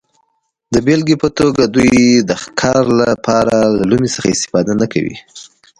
د بېلګې په توګه دوی د ښکار لپاره له لومې څخه استفاده نه کوله